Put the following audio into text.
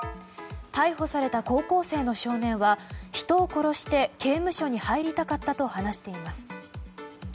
逮捕された高校生の少年は人を殺して刑務所に入りたかったと話しています。